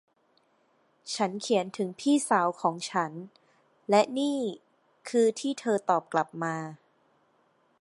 ฉันเขียนถึงพี่สาวของฉัน และนี่คือที่เธอตอบกลับมา